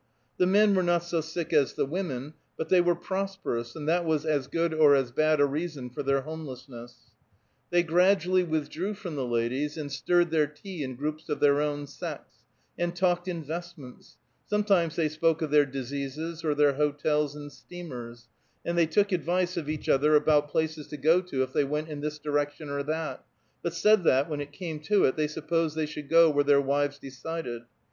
The men were not so sick as the women, but they were prosperous, and that was as good or as bad a reason for their homelessness. They gradually withdrew from the ladies, and stirred their tea in groups of their own sex, and talked investments; sometimes they spoke of their diseases, or their hotels and steamers; and they took advice of each other about places to go to if they went in this direction or that, but said that, when it came to it they supposed they should go where their wives decided.